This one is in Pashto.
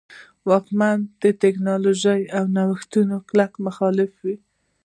واکمنان د ټکنالوژۍ او نوښتونو کلک مخالف وو.